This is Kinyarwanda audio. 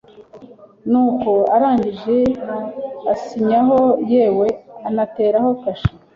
nuko arangije asinyaho yewe anateraho kashi